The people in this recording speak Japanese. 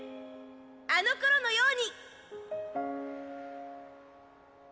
あのころのように！